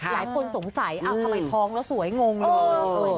หลายคนสงสัยทำไมท้องแล้วสวยงงเลย